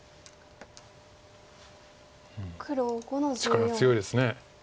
力強いです。